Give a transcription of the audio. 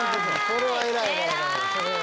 それは偉い！